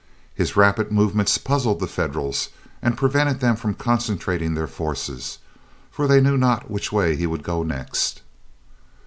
His rapid movements puzzled the Federals, and prevented them from concentrating their forces, for they knew not which way he would go next.